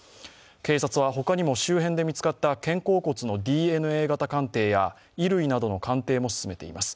警察は、他にも周辺で見つかった肩甲骨のＤＮＡ型鑑定や衣類などの鑑定も進めています。